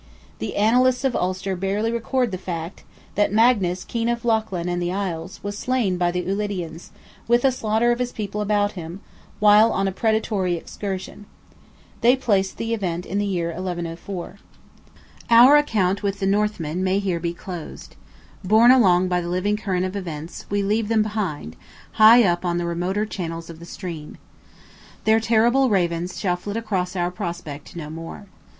The annalists of Ulster barely record the fact, that "Magnus, King of Lochlan and the Isles, was slain by the Ulidians, with a slaughter of his people about him, while on a predatory excursion." They place the event in the year 1104. Our account with the Northmen may here be closed. Borne along by the living current of events, we leave them behind, high up on the remoter channels of the stream. Their terrible ravens shall flit across our prospect no more.